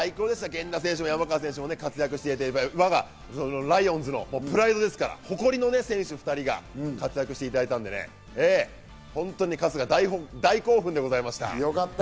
源田選手も山川選手も活躍して、ライオンズのプライドですから、誇りの選手２人が活躍していただいたので、本当に春日、大興奮でございました。